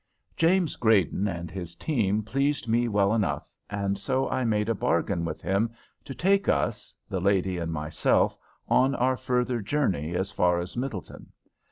James Grayden and his team pleased me well enough, and so I made a bargain with him to take us, the lady and myself, on our further journey as far as Middletown.